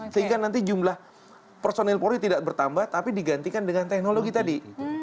sehingga nanti jumlah personil polri tidak bertambah tapi digantikan dengan teknologi tadi